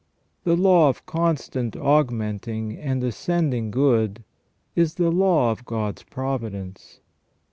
The law of constant augmenting and ascending good is the law of God's providence.